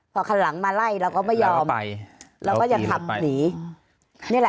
พอคันหลังมาไล่เราก็ไม่ยอมเขาก็จะผ่านหนี